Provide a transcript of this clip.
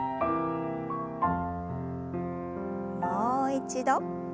もう一度。